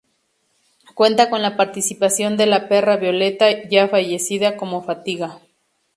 Cuenta con la participación de la perra Violeta, ya fallecida, como Fatiga.